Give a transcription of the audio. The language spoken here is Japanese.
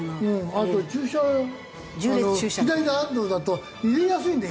あと駐車左ハンドルだと入れやすいんだよ